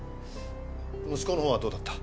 息子のほうはどうだった？